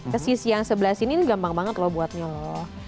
ke sisi yang sebelah sini ini gampang banget loh buat nyolong